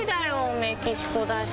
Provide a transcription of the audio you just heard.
メキシコだし。